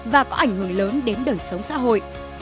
và có ảnh hưởng lớn đến đời sống xã hội